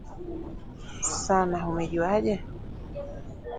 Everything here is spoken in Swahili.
Sana, umejuaje?